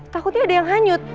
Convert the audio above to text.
takutnya ada yang hanyut